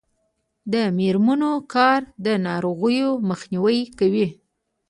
د میرمنو کار د ناروغیو مخنیوی کوي.